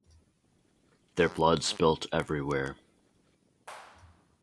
Their blood spilt everywhere.